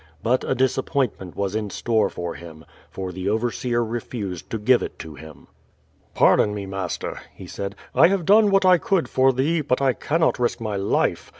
But a disappointment was in store for him, for the overseer refused to give it to him. "Pardon me, master," he said; "I have done what I could for thee, but I cannot risk my life.